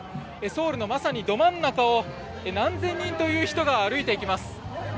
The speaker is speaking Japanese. ソウルのまさにど真ん中を何千人という人が歩いていきます。